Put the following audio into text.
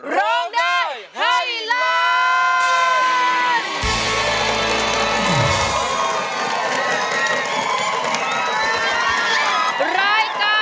ร้องได้ให้ล้าน